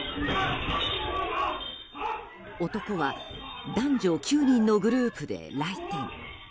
男は男女９人のグループで来店。